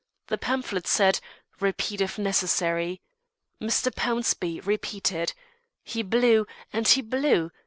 The pamphlet said, "Repeat if necessary." Mr. Pownceby repeated. He blew, and he blew.